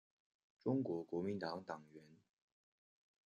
中国国民党党员。